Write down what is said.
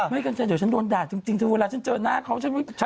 ไม่กันใช่เดี๋ยวฉันโดนด่าจริงถ้าเวลาฉันเจอหน้าเขา